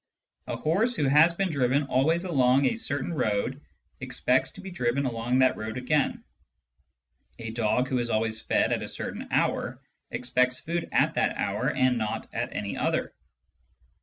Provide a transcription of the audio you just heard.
A horse who has been driven always along a certain road expects to be driven along that road again ; a dog who is always fed at a certain hour expects food at that hour and not at any other.